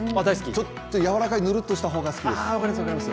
ちょっとやわらかい、ぬるっとした方が好きです。